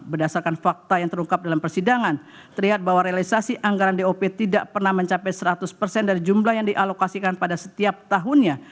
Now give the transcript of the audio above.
berdasarkan fakta yang terungkap dalam persidangan terlihat bahwa realisasi anggaran dop tidak pernah mencapai seratus persen dari jumlah yang dialokasikan pada setiap tahunnya